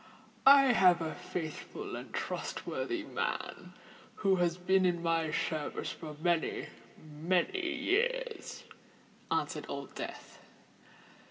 "I have a faithful and trustworthy man who has been in my service for many—many years," answered Old Death.